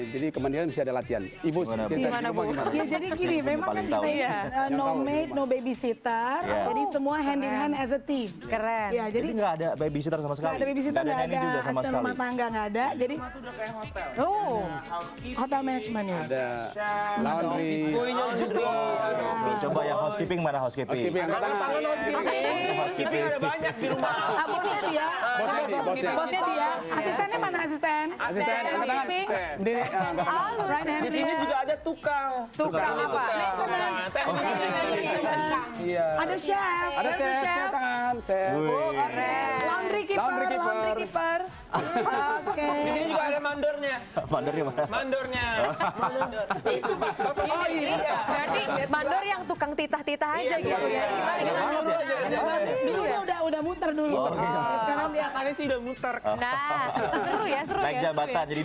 jadi kemendiannya bisa ada latihan